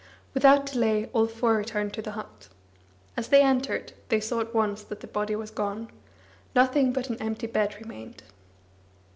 Without delay all four returned to the hut. As they entered, they saw at once that the body was gone; nothing but an empty bed remained.